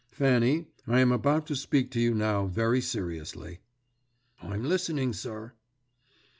Fanny, I am about to speak to you now very seriously." "I'm listening, sir."